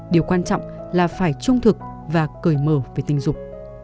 điều quan trọng là phải trung thực và cởi mở về tình dục